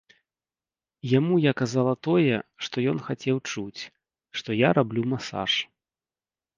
Яму я казала тое, што ён хацеў чуць, што я раблю масаж.